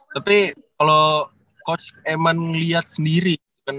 tapi kalo coach eman ngeliat sendiri